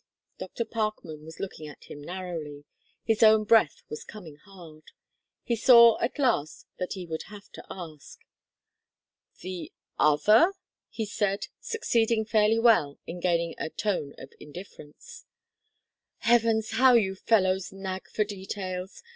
Dr. Parkman was looking at him narrowly. His own breath was coming hard. He saw at last that he would have to ask. "The other?" he said, succeeding fairly well in gaining a tone of indifference. "Heavens how you fellows nag for details!